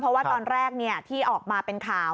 เพราะว่าตอนแรกที่ออกมาเป็นข่าว